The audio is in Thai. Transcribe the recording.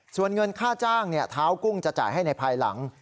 ส่วนเงินค่าจ้างเท้ากุ้งจะจ่ายให้ในภายหลัง